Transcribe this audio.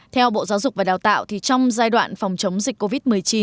theo bộ giáo dục và đào tạo trong giai đoạn phòng chống dịch covid một mươi chín